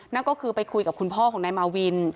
นั่นก็คือไปคุยกับคุณพ่อของนายมาวิน